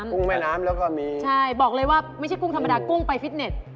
ุ้งแม่น้ำแล้วก็มีใช่บอกเลยว่าไม่ใช่กุ้งธรรมดากุ้งไปฟิตเน็ต